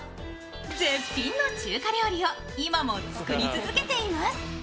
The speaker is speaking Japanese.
絶品の中華料理を今も作り続けています。